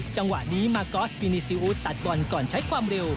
จังหวะนี้มากอสปีนิซีอูดตัดบอลก่อนใช้ความเร็ว